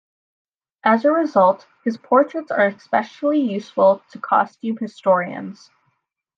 As a result, his portraits are especially useful to costume historians.